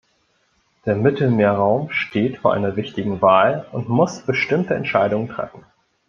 Der Mittelmeerraum steht vor einer wichtigen Wahl und muss bestimmte Entscheidungen treffen.